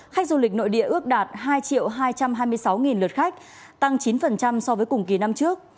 khách du lịch nội địa ước đạt hai hai trăm hai mươi sáu lượt khách tăng chín so với cùng kỳ năm trước